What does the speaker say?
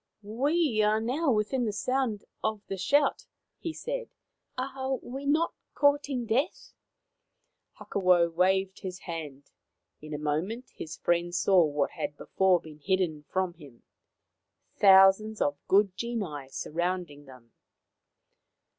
" We are now within sound of The Wooden Head 149 the shout," he said. " Are we not courting death ?" Hakawau waved his hand. In a moment his friend saw what had before been hidden from him — thousands of good genii surrounding them.